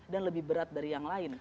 dan lebih berat dari yang lain